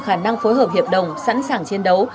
khả năng phối hợp hiệp đồng sẵn sàng chiến đấu